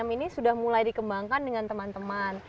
enam ini sudah mulai dikembangkan dengan teman teman